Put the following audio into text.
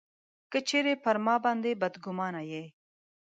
که چېرې پر ما باندي بدګومانه یې.